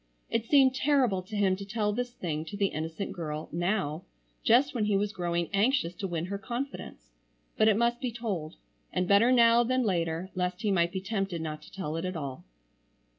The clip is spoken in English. It seemed terrible to him to tell this thing to the innocent girl, now, just when he was growing anxious to win her confidence, but it must be told, and better now than later lest he might be tempted not to tell it at all.